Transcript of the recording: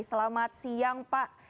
selamat siang pak